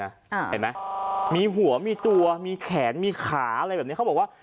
เห็นไหมมีหัวมีตัวมีแขนมีขาอะไรแบบนี้เขาบอกว่า